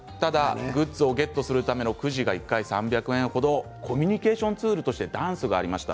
グッズをゲットするためのくじが１回３００円程コミュニケーションツールとしてダンスがありました。